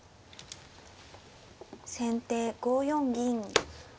先手５四銀。